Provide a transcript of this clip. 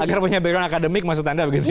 agar punya backgroun akademik maksud anda begitu ya